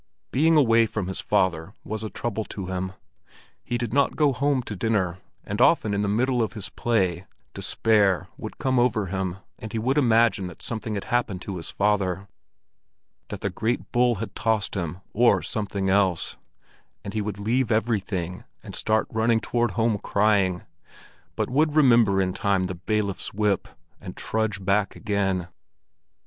Being away from his father was a trouble to him. He did not go home to dinner, and often in the middle of his play, despair would come over him and he would imagine that something had happened to his father, that the great bull had tossed him or something else; and he would leave everything, and start running homeward crying, but would remember in time the bailiff's whip, and trudge back again.